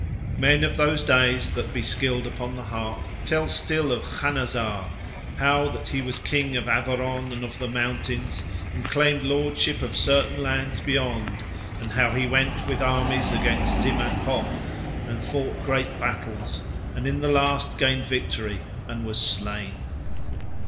Men of these days, that be skilled upon the harp, tell still of Khanazar, how that he was King of Averon and of the mountains, and claimed lordship of certain lands beyond, and how he went with armies against Ziman ho and fought great battles, and in the last gained victory and was slain.